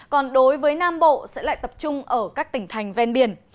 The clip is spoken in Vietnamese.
còn đối với nam bộ sẽ lại tập trung ở các tỉnh thành ven biển